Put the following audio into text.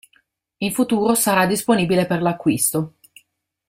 In futuro sarà disponibile per l'acquisto.